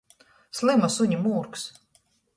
Slyma suņa mūrgs!